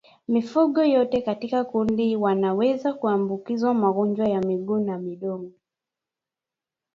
Mifugo yote katika kundi wanaweza kuambukizwa ugonjwa wa miguu na midomo